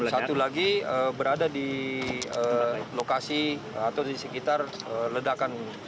satu lagi berada di lokasi atau di sekitar ledakan